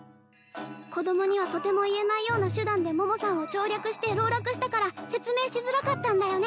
子供にはとても言えないような手段で桃さんを調略して籠絡したから説明しづらかったんだよね